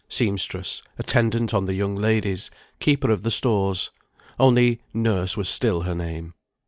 Seamstress, attendant on the young ladies, keeper of the stores; only "Nurse" was still her name.